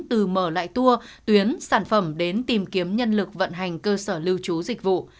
từ mở lại tour tuyến sản phẩm đến tìm kiếm nhân lực vận hành cơ sở lưu trú dịch vụ